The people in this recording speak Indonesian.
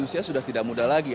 usia sudah tidak muda lagi